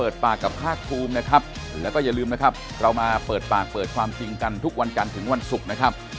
อย่าลืมนะครับเรามาเปิดปากเปิดความจริงกันทุกวันกันถึงวันศุกร์นะครับ